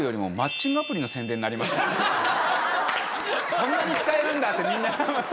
そんなに使えるんだ！って。